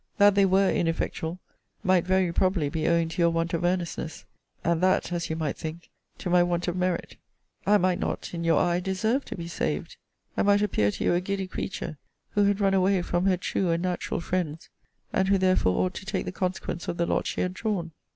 That they were ineffectual, might very probably be owing to your want of earnestness; and that, as you might think, to my want of merit. I might not, in your eye, deserve to be saved! I might appear to you a giddy creature, who had run away from her true and natural friends; and who therefore ought to take the consequence of the lot she had drawn.'